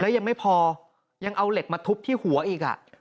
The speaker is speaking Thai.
ยังไม่พอยังเอาเหล็กมาทุบที่หัวอีก